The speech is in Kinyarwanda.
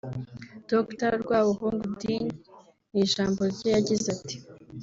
Dr Rwabuhungu Digne mu ijambo rye yagize ati